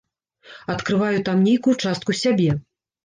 Адкрываю там нейкую частку сябе.